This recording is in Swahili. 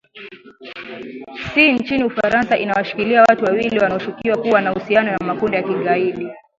si nchini ufaransa inawashikilia watu wawili wanaoshukiwa kuwa na mahusiano na makundi ya kigaidi